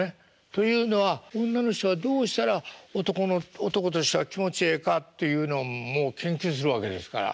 というのは女の人はどうしたら男としては気持ちええかっていうのんも研究するわけですから。